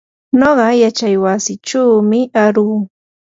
nuqa yachaywasichumi aruu.